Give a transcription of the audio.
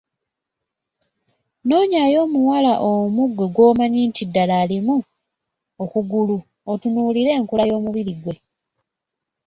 Noonyaayo omuwala omu ggwe gw'omanyi nti ddala alimu okugulu otunuulire enkula y'omubiri gwe.